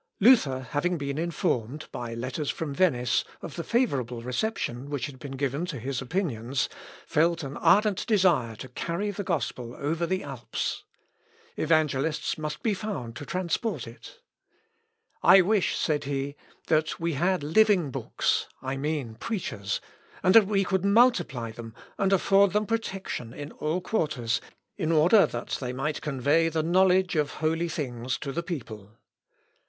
Luther having been informed, by letters from Venice, of the favourable reception which had been given to his opinions, felt an ardent desire to carry the gospel over the Alps. Evangelists must be found to transport it. "I wish," said he, "that we had living books, I mean preachers, and that we could multiply them, and afford them protection in all quarters, in order that they might convey the knowledge of holy things to the people.